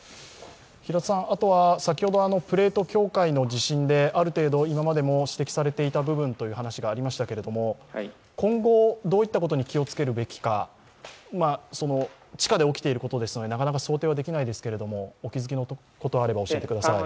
先ほどプレート境界の地震である程度、今までも指摘されていた部分という話がありましたが、今後、どういったことに気をつけるべきか、地下で起きていることですのでなかなか想定はできないですけれども、お気づきのことがあれば教えてください。